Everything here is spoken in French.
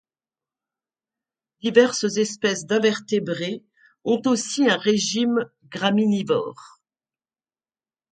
Diverses espèces d'invertébrés ont aussi un régime graminivore.